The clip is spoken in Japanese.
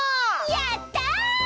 やった！